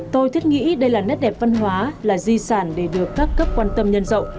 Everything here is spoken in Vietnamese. tôi thiết nghĩ đây là nét đẹp văn hóa là di sản để được các cấp quan tâm nhân rộng